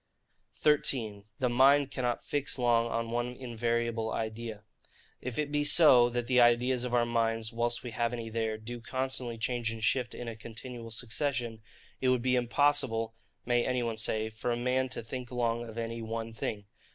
13. The Mind cannot fix long on one invariable Idea. If it be so, that the ideas of our minds, whilst we have any there, do constantly change and shift in a continual succession, it would be impossible, may any one say, for a man to think long of any one thing.